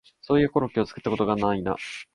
そういやコロッケを作ったことないな